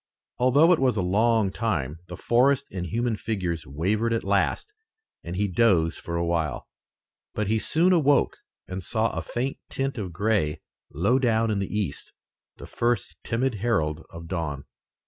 Although it was a long time, the forest and human figures wavered at last, and he dozed for a while. But he soon awoke and saw a faint tint of gray low down in the east, the first timid herald of dawn.